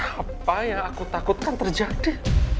apa yang aku takutkan terjadi